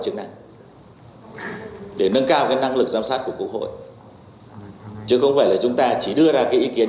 chức năng để nâng cao cái năng lực giám sát của quốc hội chứ không phải là chúng ta chỉ đưa ra cái ý kiến